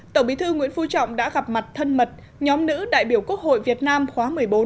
tổng bí thư nguyễn phú trọng đã gặp mặt thân mật nhóm nữ đại biểu quốc hội việt nam khóa một mươi bốn